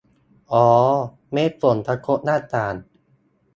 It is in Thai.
อ่อ เม็ดฝนกระทบหน้าต่าง